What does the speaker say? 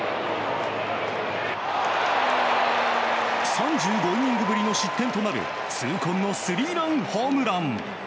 ３５イニングぶりの失点となる痛恨のスリーランホームラン。